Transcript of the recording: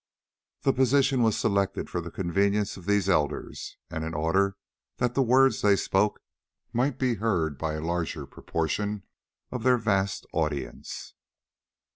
The position was selected for the convenience of these elders, and in order that the words they spoke might be heard by a larger proportion of their vast audience.